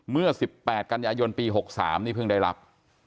เมื่อ๑๘กันยายนปี๖๓นี่เพิ่งได้รับ